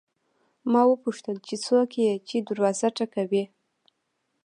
ما وپوښتل چې څوک یې چې دروازه ټکوي.